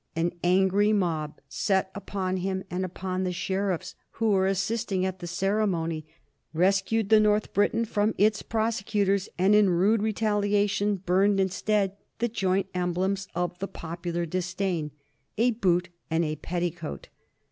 An angry mob set upon him and upon the sheriffs who were assisting at the ceremony, rescued the North Briton from its persecutors, and in rude retaliation burned instead the joint emblems of the popular disdain a boot and a petticoat.